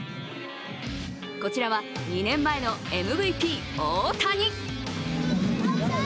こちらは２年前のＭＶＰ・大谷。